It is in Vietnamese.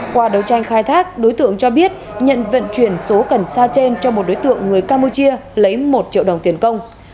qua đấu tranh khai thác đối tượng cho biết nhận vận chuyển số cần sa trên cho một đối tượng người campuchia lấy một triệu đồng tiền công